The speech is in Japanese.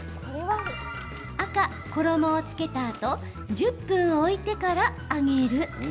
赤・衣をつけたあと１０分置いてから揚げる。